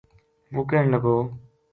وہ کہن لگو